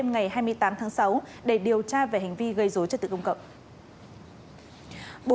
ngày hai mươi tám tháng sáu để điều tra về hành vi gây dối trật tự công cộng